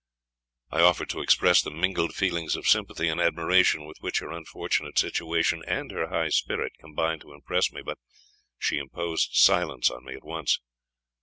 I offered to express the mingled feelings of sympathy and admiration with which her unfortunate situation and her high spirit combined to impress me, but she imposed silence on me at once.